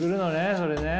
それね。